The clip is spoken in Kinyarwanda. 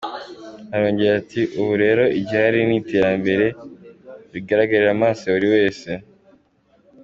Arongera ati “Ubu rero igihari ni iterambere, bigaragarira amaso ya buri wese.